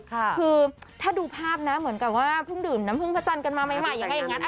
คือถ้าดูภาพนะเหมือนกับว่าเพิ่งดื่มน้ำพึ่งพระจันทร์กันมาใหม่ยังไงอย่างนั้น